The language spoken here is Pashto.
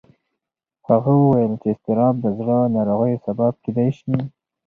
هغه وویل چې اضطراب د زړه ناروغیو سبب کېدی شي.